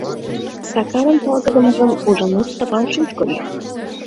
Сакарын талгыдыжым Ужанур Стапан шӱшкыльӧ.